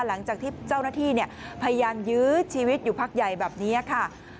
หลังจากที่เจ้าหน้าที่พยายามยื้อชีวิตอยู่พักใหญ่แบบนี้ค่ะ